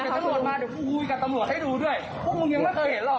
เดี๋ยวตำรวจมาเดี๋ยวกูคุยกับตำรวจให้ดูด้วยพวกมึงยังไม่เคยเห็นหรอก